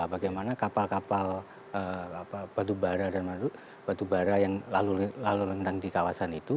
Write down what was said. bagaimana kapal kapal batu bara yang lalu lintang di kawasan itu